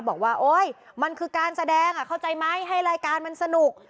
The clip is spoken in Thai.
บอกว่าโอ๊ยมันคือการแสดงเข้าใจไหมให้รายการมันสนุก